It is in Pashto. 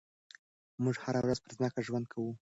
موږ هره ورځ پر ځمکه ژوند کوو.